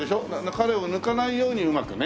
彼を抜かないようにうまくね。